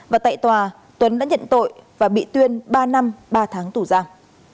và tại tòa tuấn đã nhận tội và bị tuyên ba năm ba tháng tù giam